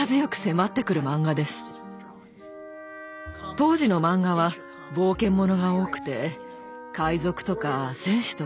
当時のマンガは冒険ものが多くて海賊とか戦士とかばかり。